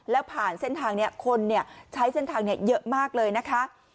แล้วผ่านเส้นทางนี้คนใช้เส้นทางนี้เยอะมากเลยนะคะ